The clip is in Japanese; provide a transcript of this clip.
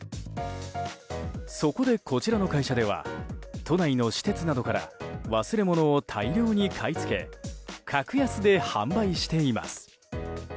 そこで、こちらの会社では都内の私鉄などから忘れ物を大量に買い付け格安で販売しています。